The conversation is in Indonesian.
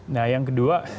nah yang kedua